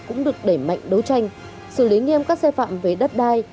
cũng được đẩy mạnh đấu tranh xử lý nghiêm các xe phạm về đất đai